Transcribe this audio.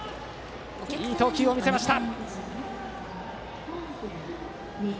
いい投球を見せました。